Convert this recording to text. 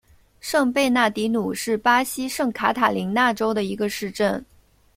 圣贝纳迪努是巴西圣卡塔琳娜州的一个市镇。